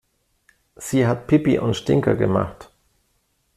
Sie hat Pipi und Stinker gemacht.